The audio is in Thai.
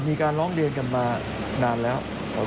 มีการร้องเรียนกันมานานแล้ว